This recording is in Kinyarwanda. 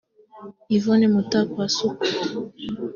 Yvonne Mutakwasuku